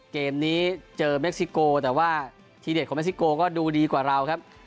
เกมนี้เจอเม็กซิโกแต่ว่าทีเด็ดของเม็กซิโกก็ดูดีกว่าเราครับ